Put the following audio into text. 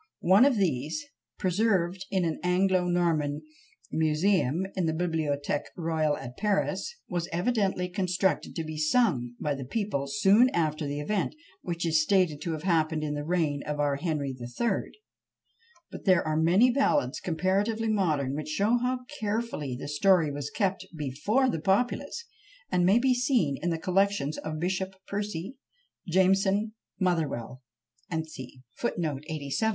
One of these, preserved in an Anglo Norman MS. in the Bibliothèque Royale at Paris, was evidently constructed to be sung by the people soon after the event, which is stated to have happened in the reign of our Henry III.; but there are many ballads comparatively modern which show how carefully the story was kept before the populace; and may be seen in the collections of Bishop Percy, Jameson, Motherwell, &c. Book iii. ch. 29, sec.